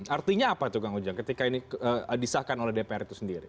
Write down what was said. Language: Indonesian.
artinya apa itu kang ujang ketika ini disahkan oleh dpr itu sendiri